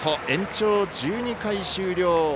延長１２回終了。